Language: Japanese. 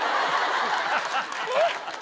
えっ？